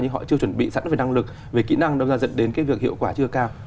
nhưng họ chưa chuẩn bị sẵn về năng lực kỹ năng để dẫn đến việc hiệu quả chưa cao